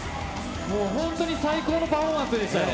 もう本当に最高のパフォーマンスでしたよ。